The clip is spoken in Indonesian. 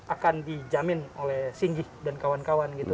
akan dijamin oleh singgih dan kawan kawan gitu